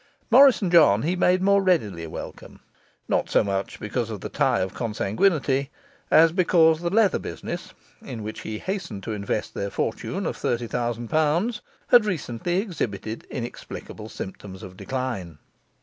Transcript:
Morris and John he made more readily welcome; not so much because of the tie of consanguinity as because the leather business (in which he hastened to invest their fortune of thirty thousand pounds) had recently exhibited inexplicable symptoms of decline.